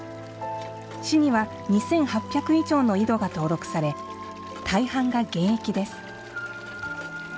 市には２８００以上の井戸が登録され、大半が現役です。